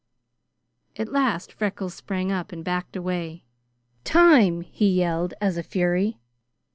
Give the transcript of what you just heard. At last Freckles sprang up and backed away. "Time!" he yelled as a fury.